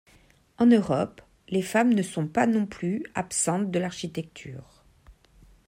En Europe, les femmes ne sont pas non plus absentes de l'architecture.